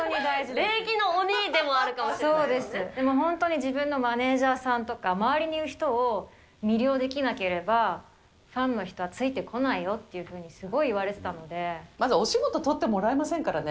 礼儀の鬼でもあるかもしれなそうです、でも、本当に自分のマネージャーさんとか、周りにいる人を魅了できなければ、ファンの人はついてこないよっていうふうに、すごい言われてたのまずお仕事取ってもらえませんからね。